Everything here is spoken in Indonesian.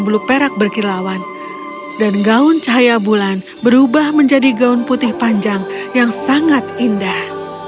bulu perak berkilauan dan gaun cahaya bulan berubah menjadi gaun putih panjang yang sangat indah